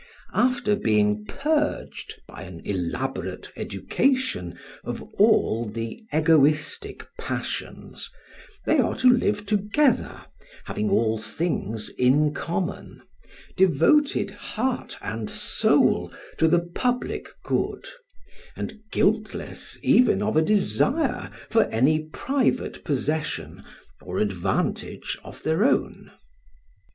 After being purged, by an elaborate education, of all the egoistic passions, they are to live together, having all things in common, devoted heart and soul to the public good, and guiltless even of a desire for any private possession or advantage of their own.